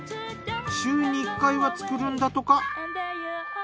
週に１回は作るんだとか。